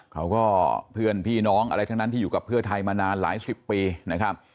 เขาก็เพื่อนพี่น้องอะไรทั้งนั้นที่อยู่กับเพื่อไทยมานานหลายสิบปีนะครับ